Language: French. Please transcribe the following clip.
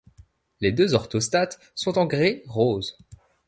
Les deux orthostates sont en grès rose.